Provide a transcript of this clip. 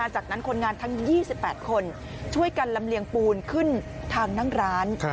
จากนั้นคนงานทั้ง๒๘คนช่วยกันลำเลียงปูนขึ้นทางนั่งร้าน